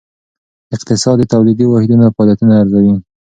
اقتصاد د تولیدي واحدونو فعالیتونه ارزوي.